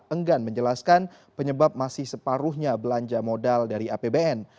enggan menjelaskan penyebab masih separuhnya belanja modal dari apbn